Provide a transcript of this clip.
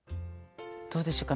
どうでしょうか？